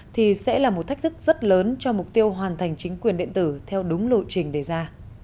thì sẽ là một thách thức rất lớn cho mục tiêu hoàn thành chính quyền điện tử theo đúng lộ trình đề ra